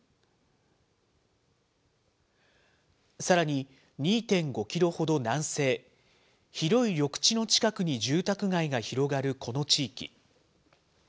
さらに、２．５キロほど南西、広い緑地の近くに住宅街が広がるこの地域。